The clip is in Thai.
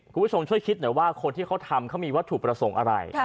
คุณผู้ชมช่วยคิดหน่อยว่าคนที่เขาทำเขามีวัตถุประสงค์อะไร